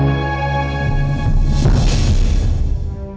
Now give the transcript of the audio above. terima kasih pak